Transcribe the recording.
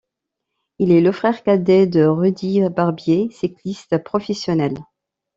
Il est le frère cadet de Rudy Barbier, cycliste professionnel.